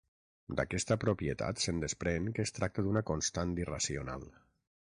D'aquesta propietat se'n desprèn que es tracta d'una constant irracional.